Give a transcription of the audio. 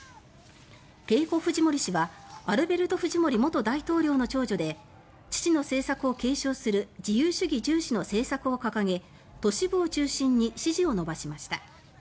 ケイコ・フジモリ氏はアルベルト・フジモリ元大統領の長女で父の政策を継承する自由主義重視の政策を掲げ都市部を中心に支持を伸ばしました。